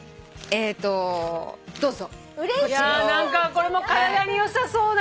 これも体によさそうな。